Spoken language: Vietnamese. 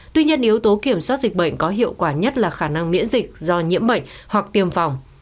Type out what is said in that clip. tuy nhiên yếu tố kiểm soát dịch bệnh có hiệu quả nhất là khả năng miễn dịch do nhiễm bệnh hoặc tiêm phòng